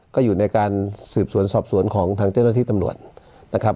ก็อยู่ในการสืบสวนสอบสวนของทางเจ้าหน้าที่ตำรวจนะครับ